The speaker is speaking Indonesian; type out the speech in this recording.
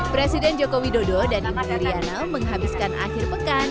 presiden jokowi dodo dan ibu riana menghabiskan akhir pekan